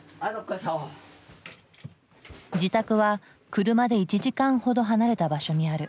自宅は車で１時間ほど離れた場所にある。